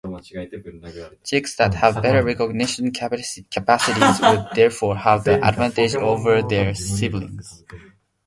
Chicks that have better recognition capacities would therefore have the advantage over their siblings.